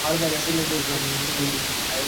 সব কিছুতে আমি আমার টাই পছন্দ করি।